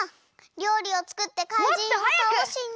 りょうりをつくってかいじんをたおしに。